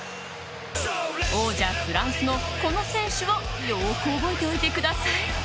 王者フランスのこの選手をよく覚えておいてください。